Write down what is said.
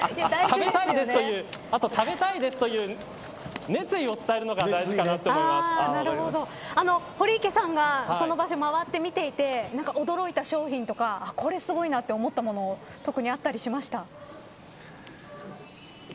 食べたいですという熱意を伝えるのが堀池さんがその場所を回って見ていて何か驚いた商品とかこれすごいなと思ったもの特にあったりしましたか。